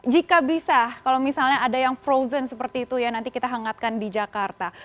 jika bisa kalau misalnya ada yang frozen seperti itu ya nanti kita hangatkan di jakarta